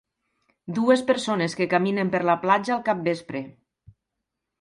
Dues persones que caminen per la platja al capvespre.